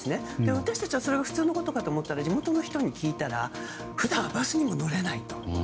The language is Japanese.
私たちはそれが普通のことだと思ったら地元の人に聞いたら普段はバスにも乗れないと。